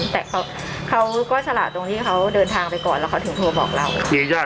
แต่เขาก็ฉลาดตรงที่เขาเดินทางไปก่อนแล้วเขาถึงโทรบอกเรา